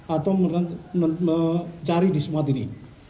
atau mencari di semuanya